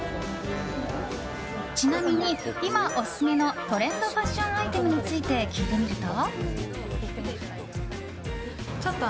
ちなみに今オススメのトレンドファッションアイテムについて聞いてみると。